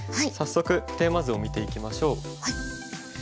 早速テーマ図を見ていきましょう。